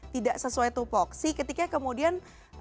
tidak sesuai tupu oksi ketika kemudian